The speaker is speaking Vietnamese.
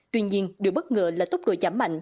tuy nhiên điều bất ngờ là tốc độ giảm mạnh